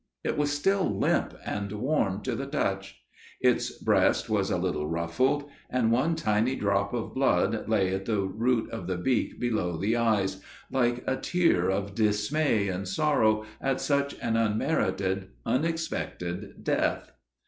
It was still limp and warm to the touch. Its breast was a little ruffled, and one tiny drop of blood lay at the root of the beak below the eyes, like a tear of dismay and sorrow at such an unmerited, unexpected death.